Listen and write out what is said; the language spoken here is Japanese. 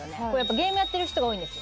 ゲームやってる人が多いんですよ。